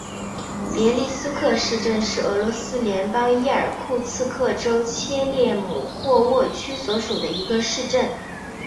别利斯克市镇是俄罗斯联邦伊尔库茨克州切列姆霍沃区所属的一个市镇。